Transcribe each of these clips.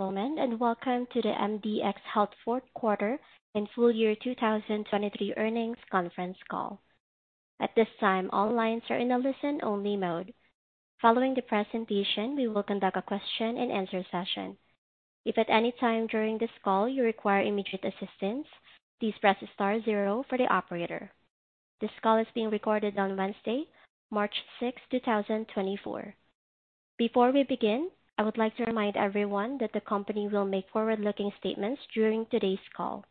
Welcome to the MDxHealth fourth quarter and full year 2023 earnings conference call. At this time, all lines are in a listen-only mode. Following the presentation, we will conduct a question-and-answer session. If at any time during this call you require immediate assistance, please press star zero for the operator. This call is being recorded on Wednesday, March 6, 2024. Before we begin, I would like to remind everyone that the company will make forward-looking statements during today's call.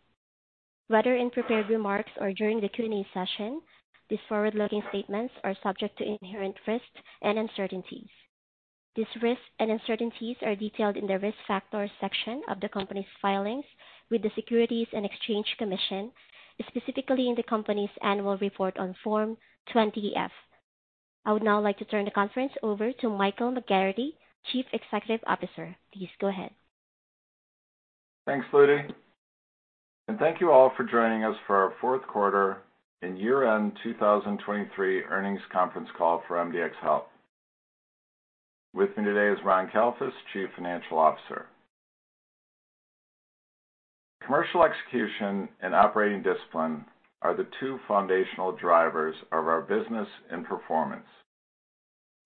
Whether in prepared remarks or during the Q&A session, these forward-looking statements are subject to inherent risks and uncertainties. These risks and uncertainties are detailed in the Risk Factors section of the company's filings with the Securities and Exchange Commission, specifically in the company's annual report on Form 20-F. I would now like to turn the conference over to Michael McGarrity, Chief Executive Officer. Please go ahead. Thanks, Ludy, and thank you all for joining us for our fourth quarter and year-end 2023 earnings conference call for MDxHealth. With me today is Ron Kalfus, Chief Financial Officer. Commercial execution and operating discipline are the two foundational drivers of our business and performance,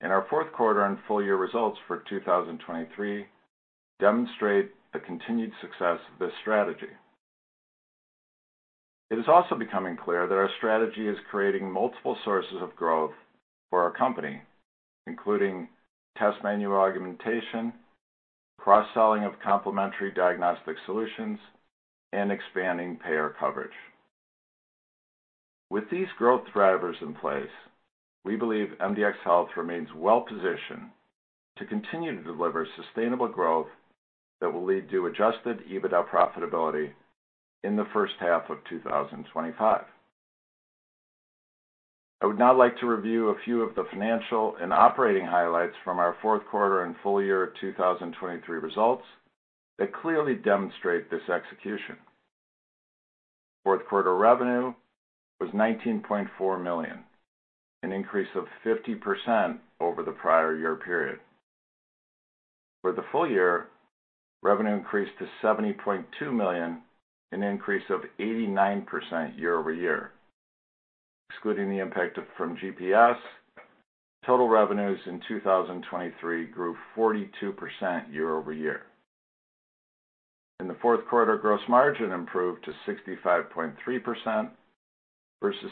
and our fourth quarter and full-year results for 2023 demonstrate the continued success of this strategy. It is also becoming clear that our strategy is creating multiple sources of growth for our company, including test menu augmentation, cross-selling of complementary diagnostic solutions, and expanding payer coverage. With these growth drivers in place, we believe MDxHealth remains well-positioned to continue to deliver sustainable growth that will lead to adjusted EBITDA profitability in the first half of 2025. I would now like to review a few of the financial and operating highlights from our fourth quarter and full year 2023 results that clearly demonstrate this execution. Fourth quarter revenue was $19.4 million, an increase of 50% over the prior year period. For the full year, revenue increased to $70.2 million, an increase of 89% year-over-year. Excluding the impact from GPS, total revenues in 2023 grew 42% year-over-year. In the fourth quarter, gross margin improved to 65.3% versus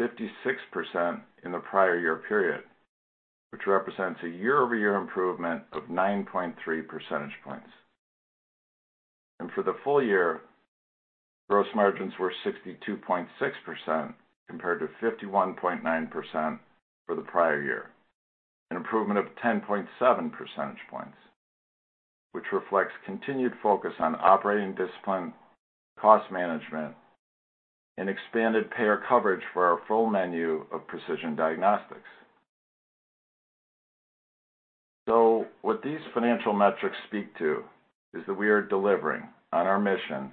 66% in the prior year period, which represents a year-over-year improvement of 9.3 percentage points. For the full year, gross margins were 62.6% compared to 51.9% for the prior year, an improvement of 10.7 percentage points, which reflects continued focus on operating discipline, cost management, and expanded payer coverage for our full menu of precision diagnostics. What these financial metrics speak to is that we are delivering on our mission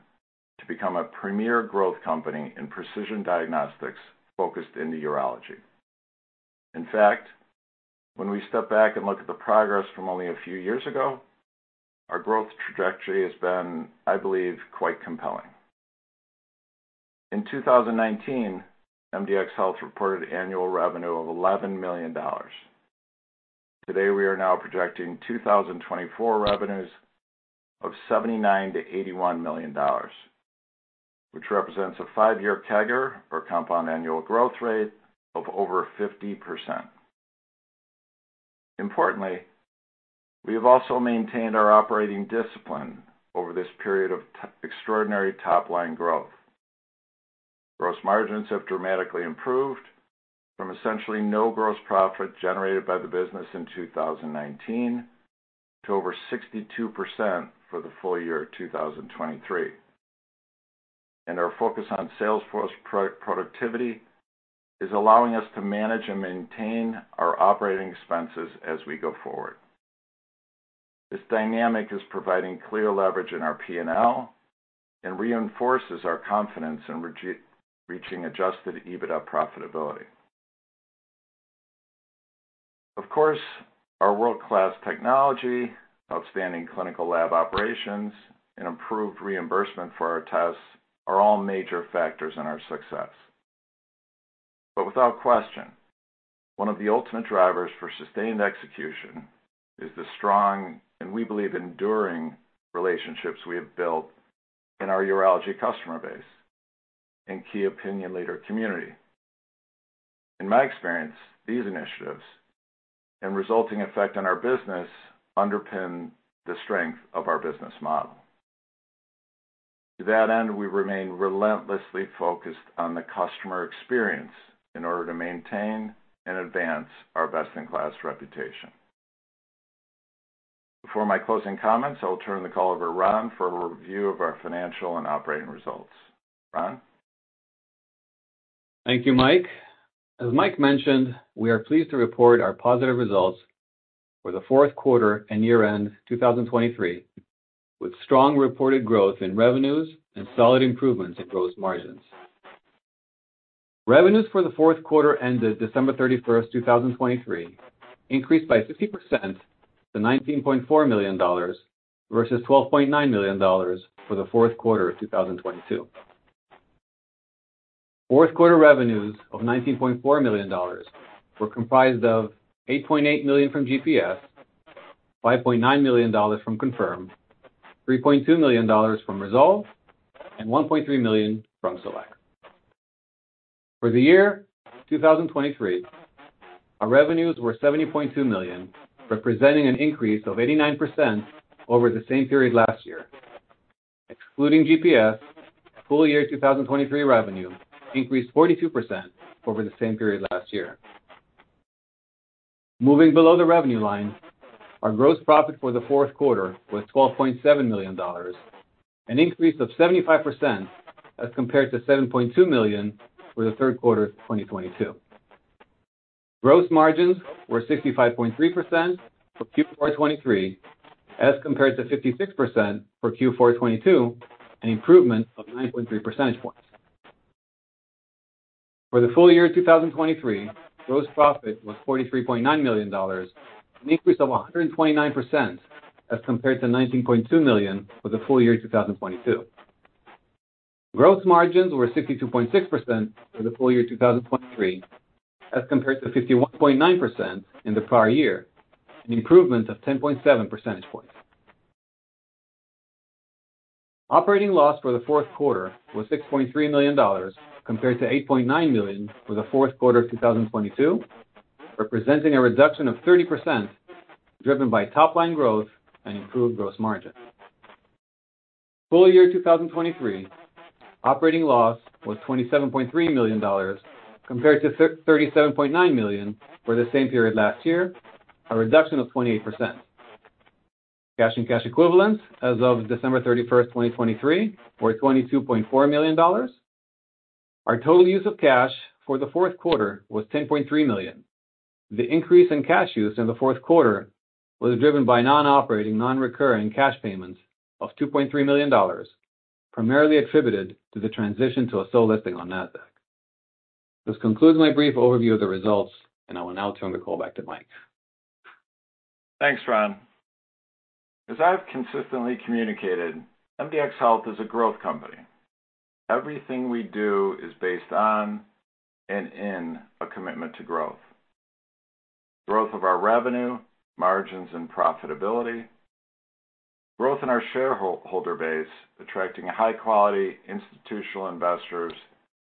to become a premier growth company in precision diagnostics focused in urology. In fact, when we step back and look at the progress from only a few years ago, our growth trajectory has been, I believe, quite compelling. In 2019, MDxHealth reported annual revenue of $11 million. Today, we are now projecting 2024 revenues of $79 million-$81 million, which represents a five-year CAGR, or compound annual growth rate, of over 50%. Importantly, we have also maintained our operating discipline over this period of extraordinary top-line growth. Gross margins have dramatically improved from essentially no gross profit generated by the business in 2019 to over 62% for the full year 2023, and our focus on sales force productivity is allowing us to manage and maintain our operating expenses as we go forward. This dynamic is providing clear leverage in our P&L and reinforces our confidence in reaching adjusted EBITDA profitability. Of course, our world-class technology, outstanding clinical lab operations, and improved reimbursement for our tests are all major factors in our success. But without question, one of the ultimate drivers for sustained execution is the strong, and we believe, enduring relationships we have built in our urology customer base and key opinion leader community. In my experience, these initiatives and resulting effect on our business underpin the strength of our business model. To that end, we remain relentlessly focused on the customer experience in order to maintain and advance our best-in-class reputation. Before my closing comments, I will turn the call over to Ron for a review of our financial and operating results. Ron? Thank you, Mike. As Mike mentioned, we are pleased to report our positive results for the fourth quarter and year-end 2023, with strong reported growth in revenues and solid improvements in gross margins.... Revenues for the fourth quarter ended December 31st, 2023, increased by 50% to $19.4 million versus $12.9 million for the fourth quarter of 2022. Fourth quarter revenues of $19.4 million were comprised of $8.8 million from GPS, $5.9 million from Confirm, $3.2 million from Resolve, and $1.3 million from Select. For the year 2023, our revenues were $70.2 million, representing an increase of 89% over the same period last year. Excluding GPS, full year 2023 revenue increased 42% over the same period last year. Moving below the revenue line, our gross profit for the fourth quarter was $12.7 million, an increase of 75% as compared to $7.2 million for the third quarter of 2022. Gross margins were 65.3% for Q4 2023, as compared to 56% for Q4 2022, an improvement of 9.3 percentage points. For the full year 2023, gross profit was $43.9 million, an increase of 129% as compared to $19.2 million for the full year 2022. Gross margins were 62.6% for the full year 2023, as compared to 51.9% in the prior year, an improvement of 10.7 percentage points. Operating loss for the fourth quarter was $6.3 million, compared to $8.9 million for the fourth quarter of 2022, representing a reduction of 30%, driven by top-line growth and improved gross margin. Full year 2023, operating loss was $27.3 million, compared to thirty-seven point nine million for the same period last year, a reduction of 28%. Cash and cash equivalents as of December 31, 2023, were $22.4 million. Our total use of cash for the fourth quarter was $10.3 million. The increase in cash use in the fourth quarter was driven by non-operating, non-recurring cash payments of $2.3 million, primarily attributed to the transition to a sole listing on Nasdaq. This concludes my brief overview of the results, and I will now turn the call back to Mike. Thanks, Ron. As I've consistently communicated, MDxHealth is a growth company. Everything we do is based on and in a commitment to growth. Growth of our revenue, margins, and profitability, growth in our shareholder base, attracting high-quality institutional investors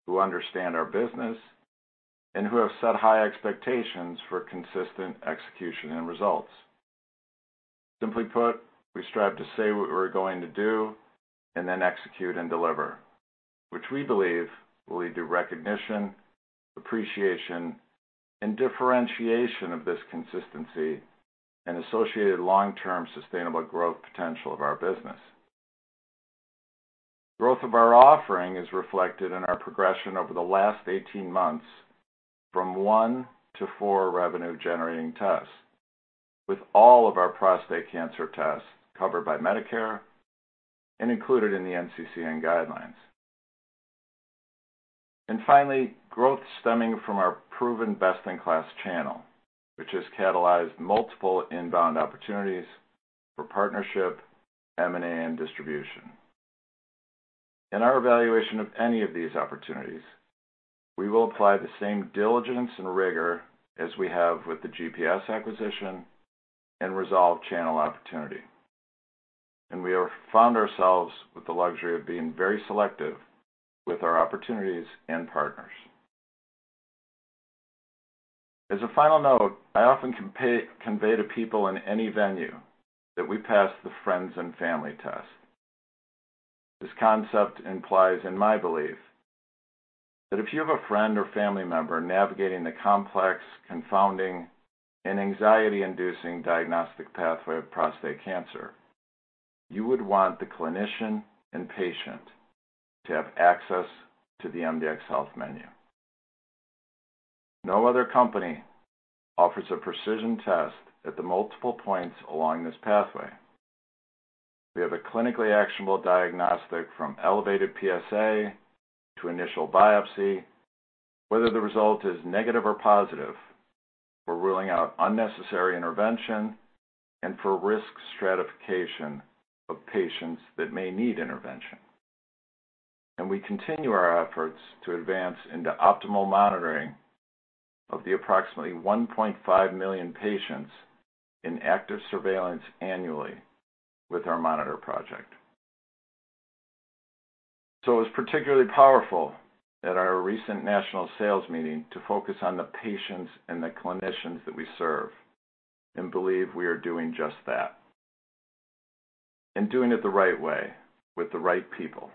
who understand our business and who have set high expectations for consistent execution and results. Simply put, we strive to say what we're going to do and then execute and deliver, which we believe will lead to recognition, appreciation, and differentiation of this consistency and associated long-term sustainable growth potential of our business. Growth of our offering is reflected in our progression over the last 18 months from 1 to 4 revenue-generating tests, with all of our prostate cancer tests covered by Medicare and included in the NCCN guidelines. And finally, growth stemming from our proven best-in-class channel, which has catalyzed multiple inbound opportunities for partnership, M&A, and distribution. In our evaluation of any of these opportunities, we will apply the same diligence and rigor as we have with the GPS acquisition and Resolve channel opportunity. We have found ourselves with the luxury of being very selective with our opportunities and partners. As a final note, I often convey to people in any venue that we pass the friends and family test. This concept implies, in my belief, that if you have a friend or family member navigating the complex, confounding, and anxiety-inducing diagnostic pathway of prostate cancer, you would want the clinician and patient to have access to the MDxHealth menu. No other company offers a precision test at the multiple points along this pathway. We have a clinically actionable diagnostic from elevated PSA to initial biopsy. Whether the result is negative or positive, we're ruling out unnecessary intervention and for risk stratification of patients that may need intervention. We continue our efforts to advance into optimal monitoring of the approximately 1.5 million patients in active surveillance annually with our Monitor project. It was particularly powerful at our recent national sales meeting to focus on the patients and the clinicians that we serve, and believe we are doing just that, and doing it the right way with the right people.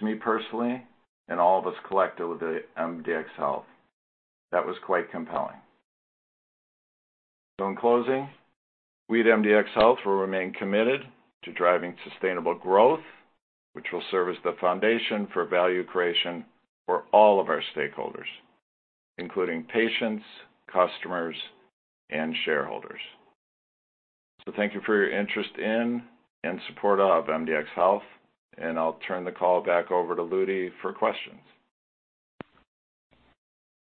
To me personally, and all of us connected with the MDxHealth, that was quite compelling. In closing, we at MDxHealth will remain committed to driving sustainable growth, which will serve as the foundation for value creation for all of our stakeholders, including patients, customers, and shareholders… Thank you for your interest in and support of MDxHealth, and I'll turn the call back over to Ludy for questions.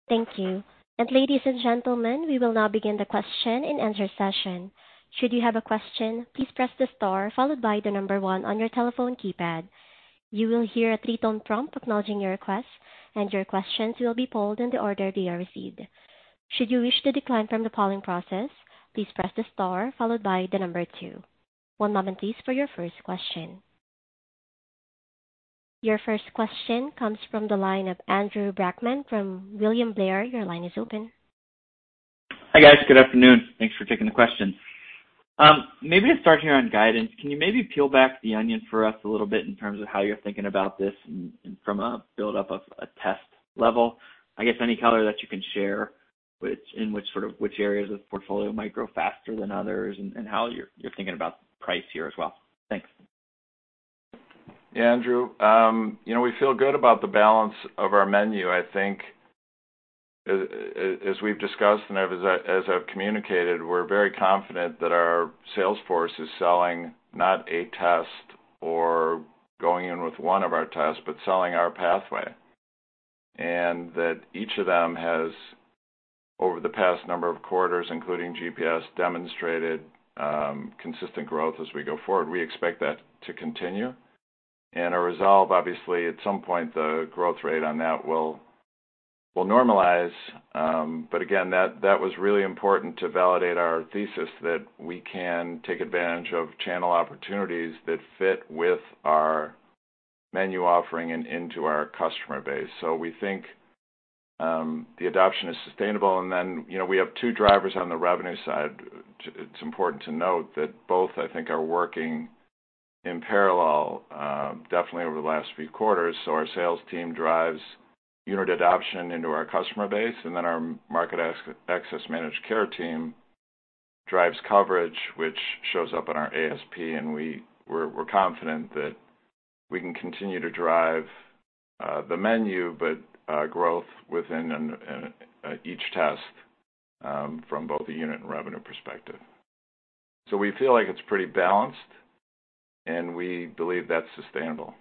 Thank you. Ladies and gentlemen, we will now begin the question and answer session. Should you have a question, please press the star followed by the number 1 on your telephone keypad. You will hear a 3-tone prompt acknowledging your request, and your questions will be polled in the order they are received. Should you wish to decline from the polling process, please press the star followed by the number 2. One moment, please, for your first question. Your first question comes from the line of Andrew Brackmann from William Blair. Your line is open. Hi, guys. Good afternoon. Thanks for taking the question. Maybe to start here on guidance, can you maybe peel back the onion for us a little bit in terms of how you're thinking about this and from a build up of a test level? I guess any color that you can share, in which sort of areas of the portfolio might grow faster than others, and how you're thinking about price here as well. Thanks. Yeah, Andrew, you know, we feel good about the balance of our menu. I think, as we've discussed and as I, as I've communicated, we're very confident that our sales force is selling not a test or going in with one of our tests, but selling our pathway. And that each of them has, over the past number of quarters, including GPS, demonstrated consistent growth as we go forward. We expect that to continue, and Resolve, obviously, at some point, the growth rate on that will normalize, but again, that was really important to validate our thesis that we can take advantage of channel opportunities that fit with our menu offering and into our customer base. So we think the adoption is sustainable, and then, you know, we have two drivers on the revenue side. It's important to note that both, I think, are working in parallel, definitely over the last few quarters. So our sales team drives unit adoption into our customer base, and then our market access managed care team drives coverage, which shows up in our ASP, and we're confident that we can continue to drive the menu, but growth within each test from both a unit and revenue perspective. So we feel like it's pretty balanced, and we believe that's sustainable.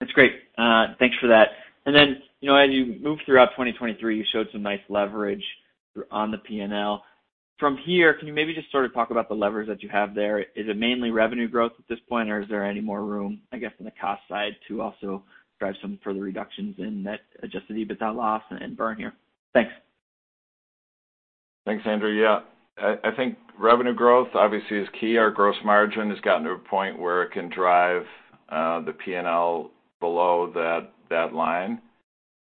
That's great. Thanks for that. And then, you know, as you move throughout 2023, you showed some nice leverage on the P&L. From here, can you maybe just sort of talk about the levers that you have there? Is it mainly revenue growth at this point, or is there any more room, I guess, on the cost side to also drive some further reductions in net adjusted EBITDA loss and burn here? Thanks. Thanks, Andrew. Yeah. I think revenue growth obviously is key. Our gross margin has gotten to a point where it can drive the P&L below that line.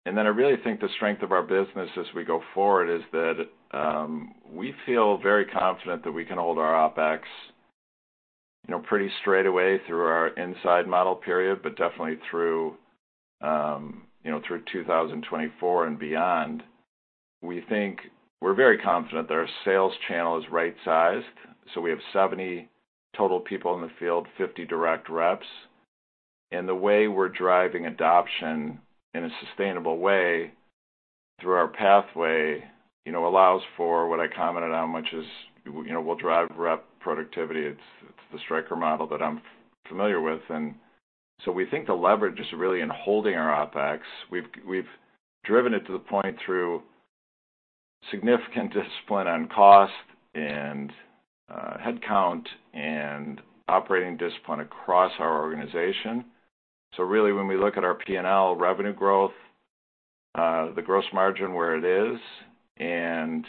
And then I really think the strength of our business as we go forward is that we feel very confident that we can hold our OpEx, you know, pretty straight away through our inside model period, but definitely through, you know, through 2024 and beyond. We think we're very confident that our sales channel is right-sized, so we have 70 total people in the field, 50 direct reps. And the way we're driving adoption in a sustainable way through our pathway, you know, allows for what I commented on, which is, you know, we'll drive rep productivity. It's the Stryker model that I'm familiar with, and so we think the leverage is really in holding our OpEx. We've driven it to the point through significant discipline on cost and headcount and operating discipline across our organization. So really, when we look at our P&L revenue growth, the gross margin where it is, and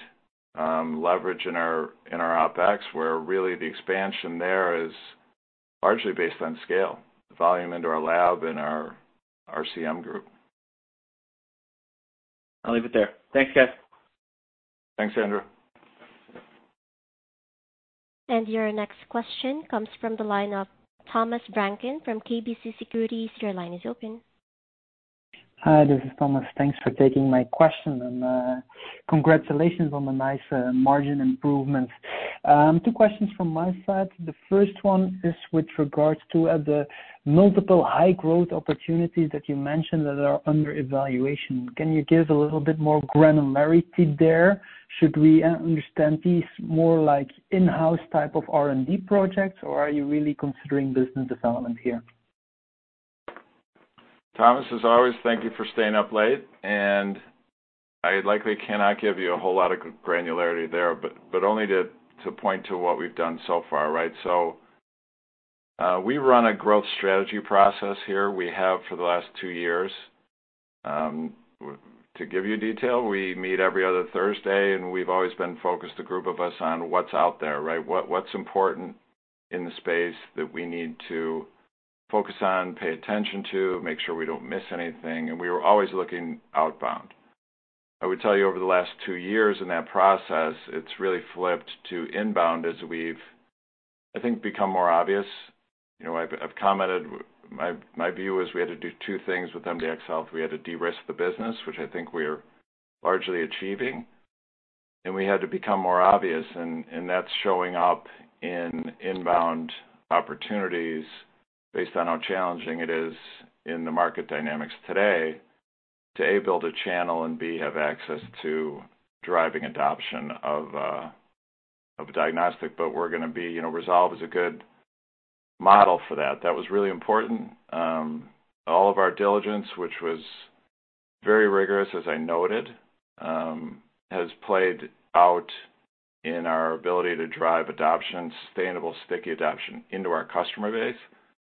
leverage in our OpEx, where really the expansion there is largely based on scale, the volume into our lab and our RCM group. I'll leave it there. Thanks, guys. Thanks, Andrew. Your next question comes from the line of Thomas Vranken from KBC Securities. Your line is open. Hi, this is Thomas. Thanks for taking my question, and congratulations on the nice margin improvement. Two questions from my side. The first one is with regards to the multiple high growth opportunities that you mentioned that are under evaluation. Can you give a little bit more granularity there? Should we understand these more like in-house type of R&D projects, or are you really considering business development here? Thomas, as always, thank you for staying up late, and I likely cannot give you a whole lot of granularity there, but only to point to what we've done so far, right? So, we run a growth strategy process here. We have for the last two years. To give you detail, we meet every other Thursday, and we've always been focused, a group of us, on what's out there, right? What, what's important in the space that we need to focus on, pay attention to, make sure we don't miss anything, and we are always looking outbound. I would tell you, over the last two years in that process, it's really flipped to inbound as we've, I think, become more obvious. You know, I've commented, my view is we had to do two things with MDxHealth. We had to de-risk the business, which I think we are largely achieving, and we had to become more obvious, and, and that's showing up in inbound opportunities based on how challenging it is in the market dynamics today to A, build a channel, and B, have access to driving adoption of a diagnostic. But we're gonna be, you know, Resolve is a good model for that. That was really important. All of our diligence, which was very rigorous, as I noted, has played out in our ability to drive adoption, sustainable, sticky adoption into our customer base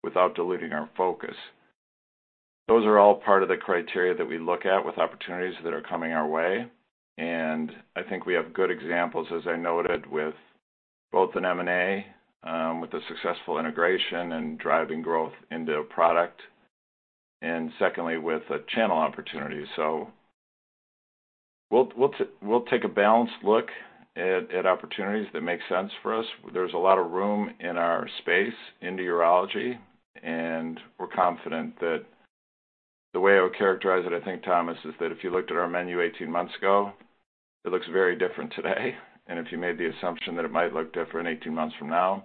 without diluting our focus. Those are all part of the criteria that we look at with opportunities that are coming our way, and I think we have good examples, as I noted, with both an M&A with the successful integration and driving growth into a product, and secondly, with the channel opportunities. So we'll take a balanced look at opportunities that make sense for us. There's a lot of room in our space, in Urology, and we're confident that the way I would characterize it, I think, Thomas, is that if you looked at our menu 18 months ago, it looks very different today. And if you made the assumption that it might look different 18 months from now,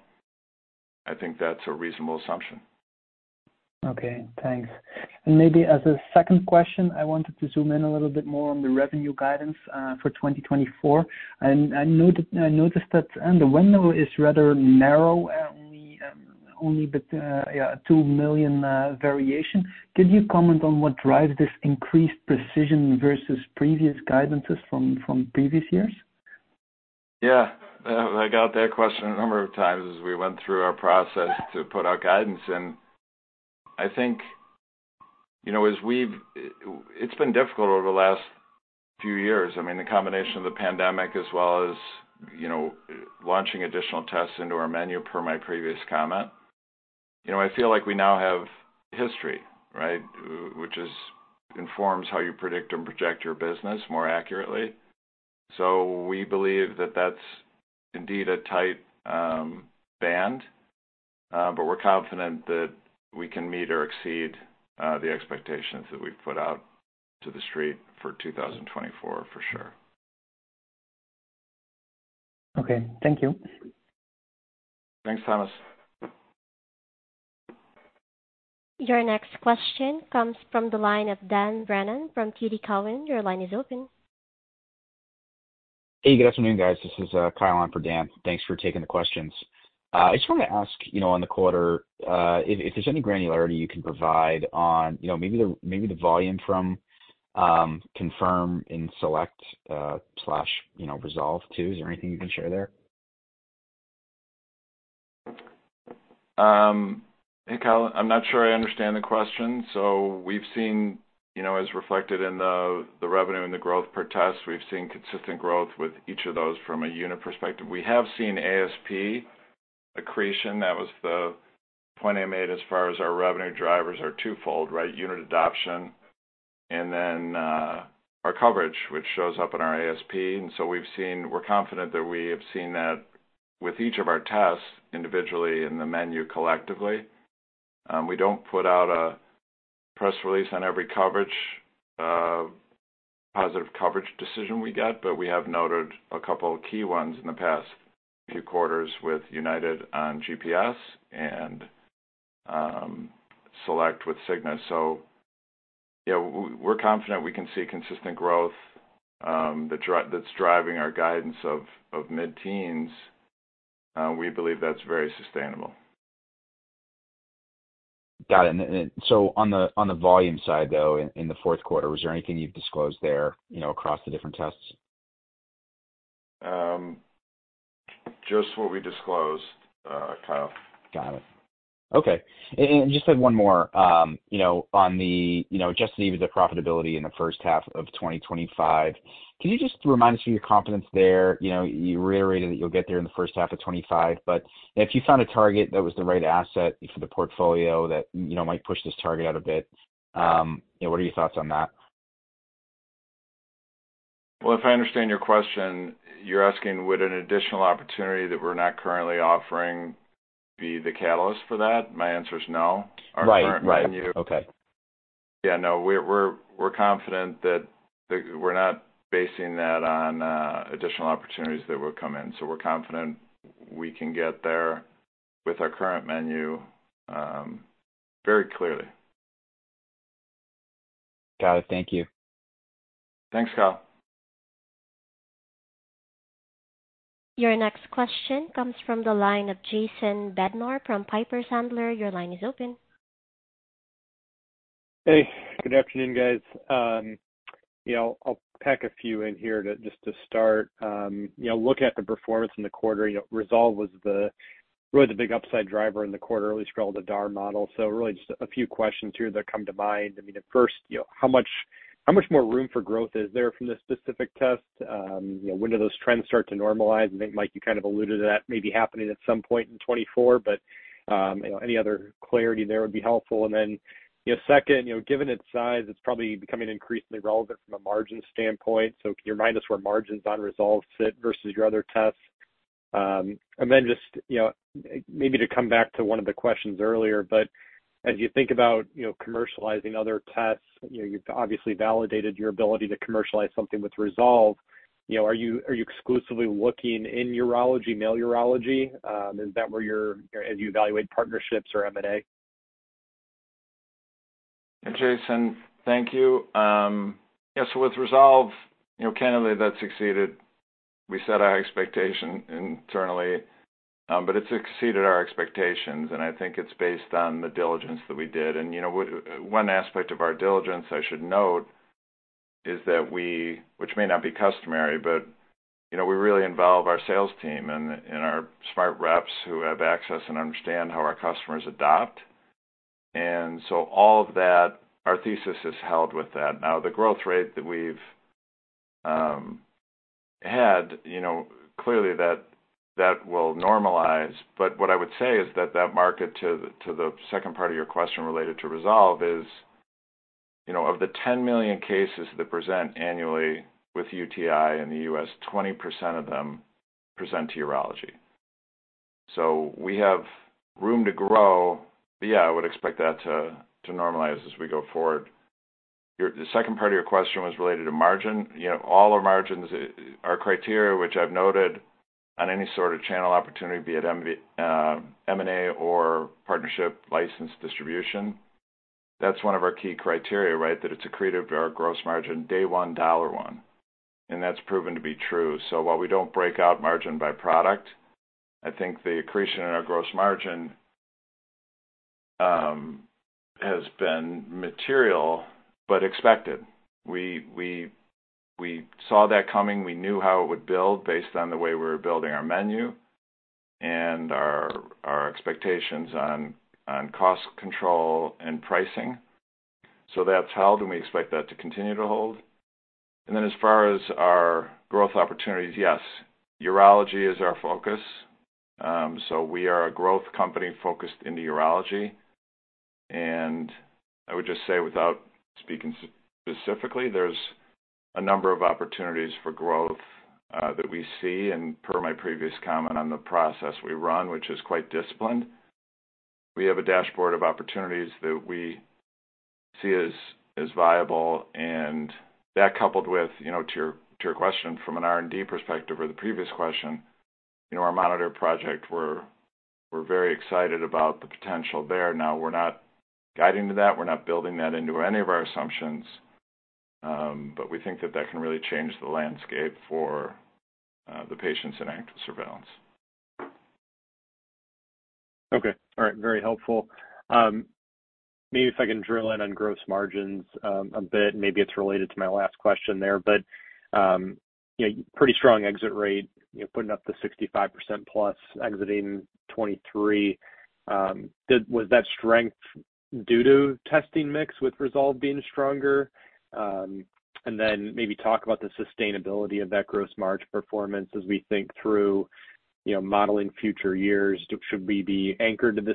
I think that's a reasonable assumption. Okay, thanks. Maybe as a second question, I wanted to zoom in a little bit more on the revenue guidance for 2024. I noticed that the window is rather narrow, only $2 million variation. Can you comment on what drives this increased precision versus previous guidances from previous years? Yeah, I got that question a number of times as we went through our process to put out guidance. And I think, you know, as we've... It's been difficult over the last few years. I mean, the combination of the pandemic as well as, you know, launching additional tests into our menu, per my previous comment. You know, I feel like we now have history, right, which is informs how you predict and project your business more accurately. So we believe that that's indeed a tight band, but we're confident that we can meet or exceed the expectations that we've put out to the street for 2024, for sure. Okay, thank you. Thanks, Thomas. Your next question comes from the line of Dan Brennan from TD Cowen. Your line is open. Hey, good afternoon, guys. This is Kyle on for Dan. Thanks for taking the questions. I just wanted to ask, you know, on the quarter, if, if there's any granularity you can provide on, you know, maybe the, maybe the volume from Confirm and Select slash, you know, Resolve, too. Is there anything you can share there? Hey, Kyle, I'm not sure I understand the question. So we've seen, you know, as reflected in the revenue and the growth per test, we've seen consistent growth with each of those from a unit perspective. We have seen ASP accretion. That was the point I made as far as our revenue drivers are twofold, right? Unit adoption and then our coverage, which shows up in our ASP. And so we've seen we're confident that we have seen that with each of our tests individually in the menu collectively. We don't put out a press release on every coverage positive coverage decision we get, but we have noted a couple of key ones in the past few quarters with United on GPS and Select with Cigna. So yeah, we're confident we can see consistent growth, that that's driving our guidance of, of mid-teens. We believe that's very sustainable. Got it. And so on the volume side, though, in the fourth quarter, was there anything you've disclosed there, you know, across the different tests? Just what we disclosed, Kyle. Got it. Okay. And, and just had one more. You know, on the, you know, just even the profitability in the first half of 2025, can you just remind us of your confidence there? You know, you reiterated that you'll get there in the first half of 2025, but if you found a target that was the right asset for the portfolio that, you know, might push this target out a bit, you know, what are your thoughts on that? Well, if I understand your question, you're asking, would an additional opportunity that we're not currently offering be the catalyst for that? My answer is no. Right. Our current menu- Okay. Yeah, no, we're confident that we're not basing that on additional opportunities that would come in. So we're confident we can get there with our current menu, very clearly. Got it. Thank you. Thanks, Kyle. Your next question comes from the line of Jason Bednar from Piper Sandler. Your line is open. Hey, good afternoon, guys. You know, I'll pack a few in here just to start. You know, looking at the performance in the quarter, you know, Resolve was the, really the big upside driver in the quarter, at least for all the DAR model. So really just a few questions here that come to mind. I mean, at first, you know, how much, how much more room for growth is there from this specific test? You know, when do those trends start to normalize? I think, Mike, you kind of alluded to that maybe happening at some point in 2024, but, you know, any other clarity there would be helpful. And then, you know, second, you know, given its size, it's probably becoming increasingly relevant from a margin standpoint. So can you remind us where margins on Resolve sit versus your other tests? And then just, you know, maybe to come back to one of the questions earlier, but as you think about, you know, commercializing other tests, you know, you've obviously validated your ability to commercialize something with Resolve. You know, are you, are you exclusively looking in urology, male urology? Is that where you're, as you evaluate partnerships or M&A?... Jason, thank you. Yes, so with Resolve, you know, candidly, that succeeded. We set our expectation internally, but it's exceeded our expectations, and I think it's based on the diligence that we did. And, you know, one aspect of our diligence, I should note, is that we-- which may not be customary, but, you know, we really involve our sales team and, and our smart reps who have access and understand how our customers adopt. And so all of that, our thesis is held with that. Now, the growth rate that we've had, you know, clearly that, that will normalize. But what I would say is that, that market, to, to the second part of your question related to Resolve is, you know, of the 10 million cases that present annually with UTI in the U.S., 20% of them present to urology. So we have room to grow. But yeah, I would expect that to normalize as we go forward. Your - the second part of your question was related to margin. You know, all our margins, our criteria, which I've noted on any sort of channel opportunity, be it M&A or partnership license distribution, that's one of our key criteria, right? That it's accretive to our gross margin, day one, dollar one, and that's proven to be true. So while we don't break out margin by product, I think the accretion in our gross margin has been material but expected. We saw that coming. We knew how it would build based on the way we were building our menu and our expectations on cost control and pricing. So that's held, and we expect that to continue to hold. Then as far as our growth opportunities, yes, urology is our focus. So we are a growth company focused into urology. I would just say, without speaking specifically, there's a number of opportunities for growth, that we see. Per my previous comment on the process we run, which is quite disciplined, we have a dashboard of opportunities that we see as, as viable. That coupled with, you know, to your, to your question, from an R&D perspective or the previous question, you know, our monitor project, we're, we're very excited about the potential there. Now, we're not guiding to that, we're not building that into any of our assumptions, but we think that that can really change the landscape for, the patients in active surveillance. Okay, all right. Very helpful. Maybe if I can drill in on gross margins a bit, maybe it's related to my last question there, but you know, pretty strong exit rate, you know, putting up the 65%+ exiting 2023. Was that strength due to testing mix with Resolve being stronger? And then maybe talk about the sustainability of that gross margin performance as we think through, you know, modeling future years. Should we be anchored to the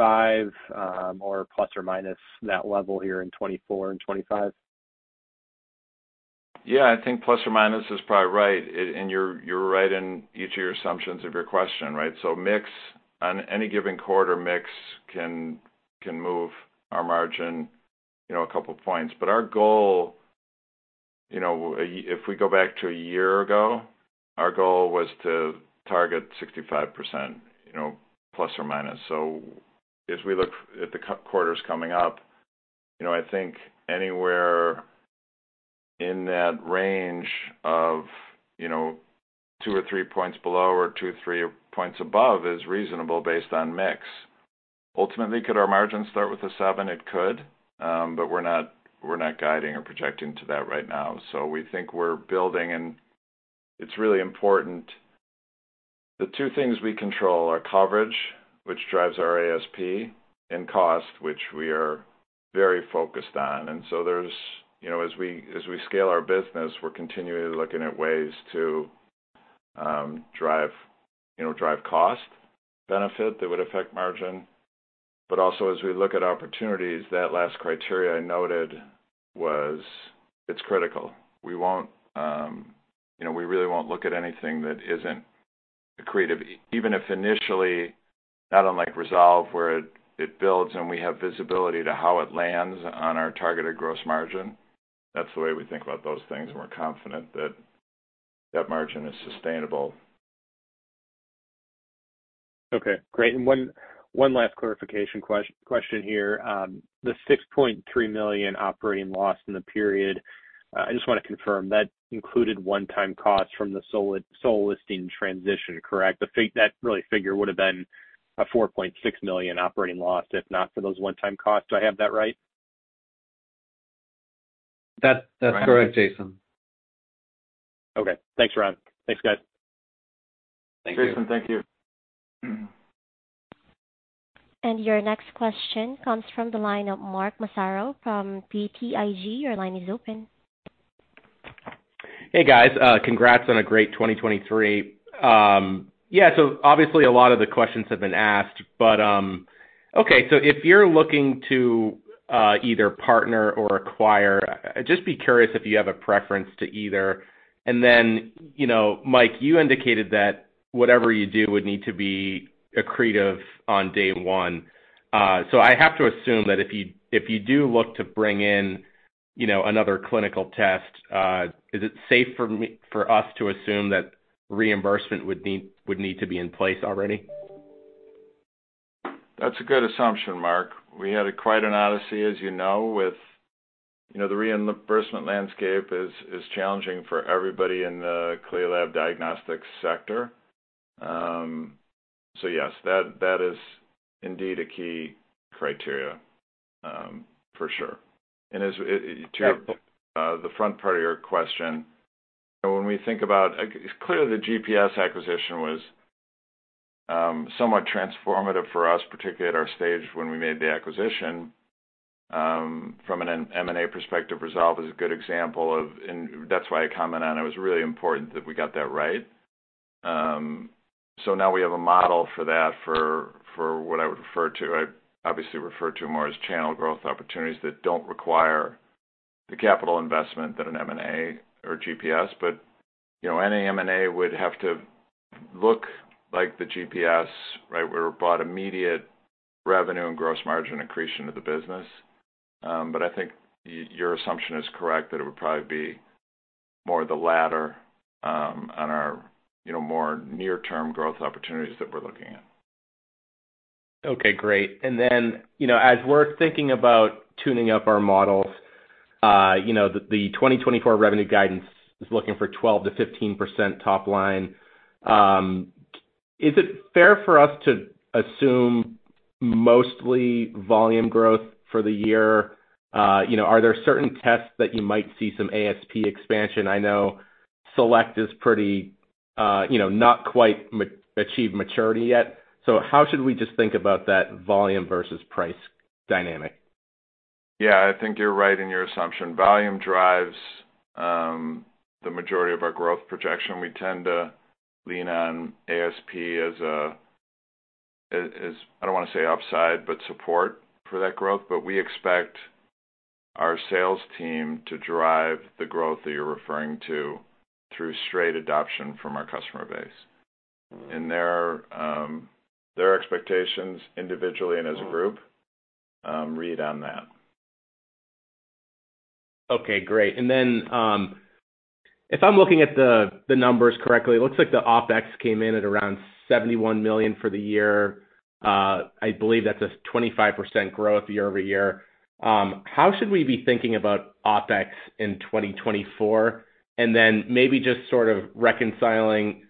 65% or plus or minus that level here in 2024 and 2025? Yeah, I think plus or minus is probably right. And you're right in each of your assumptions of your question, right? So mix on any given quarter can move our margin, you know, a couple points. But our goal, you know, if we go back to a year ago, our goal was to target 65%, you know, plus or minus. So as we look at the coming quarters, you know, I think anywhere in that range of, you know, two or three points below or two or three points above is reasonable based on mix. Ultimately, could our margins start with a seven? It could, but we're not guiding or projecting to that right now. So we think we're building, and it's really important. The two things we control are coverage, which drives our ASP, and cost, which we are very focused on. And so there's... You know, as we, as we scale our business, we're continually looking at ways to drive, you know, drive cost benefit that would affect margin. But also, as we look at opportunities, that last criteria I noted was, it's critical. We won't, you know, we really won't look at anything that isn't accretive, even if initially, not unlike Resolve, where it, it builds, and we have visibility to how it lands on our targeted gross margin. That's the way we think about those things, and we're confident that that margin is sustainable. Okay, great. And one last clarification question here. The $6.3 million operating loss in the period, I just want to confirm, that included one-time costs from the sole listing transition, correct? The figure would have been a $4.6 million operating loss, if not for those one-time costs. Do I have that right? That's correct, Jason. Okay. Thanks, Ron. Thanks, guys. Thank you. Jason, thank you. Your next question comes from the line of Mark Massaro from BTIG. Your line is open. Hey, guys, congrats on a great 2023. Yeah, so obviously a lot of the questions have been asked, but, okay, so if you're looking to either partner or acquire, I'd just be curious if you have a preference to either. And then, you know, Mike, you indicated that whatever you do would need to be accretive on day one. So I have to assume that if you, if you do look to bring in, you know, another clinical test, is it safe for me, for us to assume that reimbursement would need, would need to be in place already?... That's a good assumption, Mark. We had quite an odyssey, as you know, with, you know, the reimbursement landscape is challenging for everybody in the CLIA lab diagnostics sector. So yes, that is indeed a key criteria, for sure. And as to the front part of your question, when we think about clearly, the GPS acquisition was somewhat transformative for us, particularly at our stage when we made the acquisition. From an M&A perspective, Resolve is a good example of and that's why I comment on it, it was really important that we got that right. So now we have a model for that, for what I would refer to, I obviously refer to more as channel growth opportunities that don't require the capital investment that an M&A or GPS. But, you know, any M&A would have to look like the GPS, right, where we bought immediate revenue and gross margin accretion of the business. But I think your assumption is correct, that it would probably be more the latter, on our, you know, more near-term growth opportunities that we're looking at. Okay, great. And then, you know, as we're thinking about tuning up our models, you know, the 2024 revenue guidance is looking for 12%-15% top line. Is it fair for us to assume mostly volume growth for the year? You know, are there certain tests that you might see some ASP expansion? I know Select is pretty, you know, not quite achieved maturity yet. So how should we just think about that volume versus price dynamic? Yeah, I think you're right in your assumption. Volume drives the majority of our growth projection. We tend to lean on ASP as a—I don't want to say upside, but support for that growth. But we expect our sales team to drive the growth that you're referring to through straight adoption from our customer base, and their expectations individually and as a group read on that. Okay, great. And then, if I'm looking at the numbers correctly, it looks like the OpEx came in at around $71 million for the year. I believe that's a 25% growth year-over-year. How should we be thinking about OpEx in 2024? And then maybe just sort of reconciling,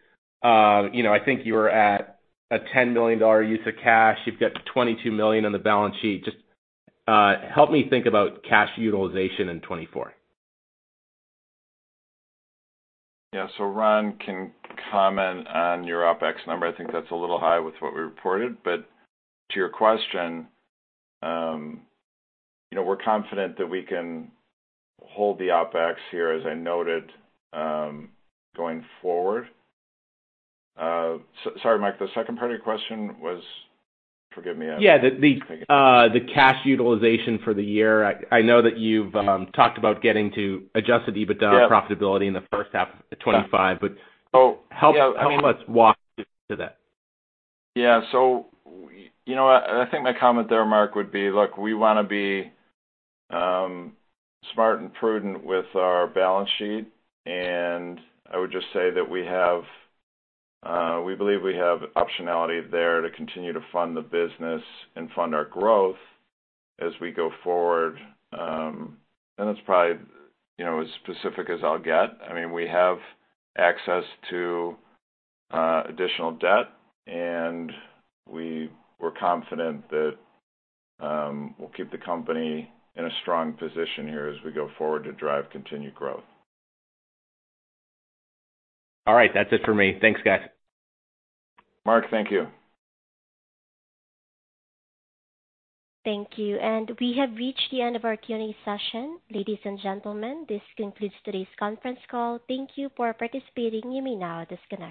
you know, I think you were at a $10 million use of cash. You've got $22 million on the balance sheet. Just, help me think about cash utilization in 2024. Yeah. So Ron can comment on your OpEx number. I think that's a little high with what we reported. But to your question, you know, we're confident that we can hold the OpEx here, as I noted, going forward. Sorry, Mark, the second part of your question was? Forgive me. Yeah, the cash utilization for the year. I know that you've talked about getting to Adjusted EBITDA- Yeah -profitability in the first half of 2025, but- So, yeah, I mean- Help us walk through to that. Yeah. So, you know what? I think my comment there, Mark, would be, look, we want to be smart and prudent with our balance sheet. And I would just say that we have, we believe we have optionality there to continue to fund the business and fund our growth as we go forward. And that's probably, you know, as specific as I'll get. I mean, we have access to additional debt, and we're confident that we'll keep the company in a strong position here as we go forward to drive continued growth. All right, that's it for me. Thanks, guys. Mark, thank you. Thank you. We have reached the end of our Q&A session. Ladies and gentlemen, this concludes today's conference call. Thank you for participating. You may now disconnect.